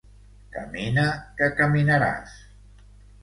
Camina que caminaràs.